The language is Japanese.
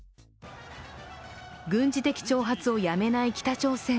軍事的挑発をやめない北朝鮮。